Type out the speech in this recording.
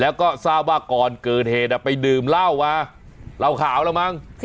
แล้วก็ทราบว่าก่อนเกิดเหตุไปดื่มเหล้ามาเหล้าขาวแล้วมั้ง